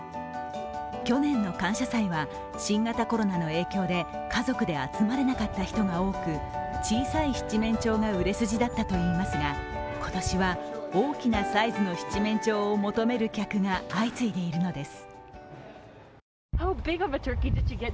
去年の感謝祭は新型コロナの影響で家族で集まれなかった人が多く、小さい七面鳥が売れ筋だったといいますが今年は大きなサイズの七面鳥を求める客が相次いでいるのです。